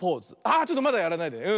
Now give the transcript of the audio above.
あちょっとまだやらないで。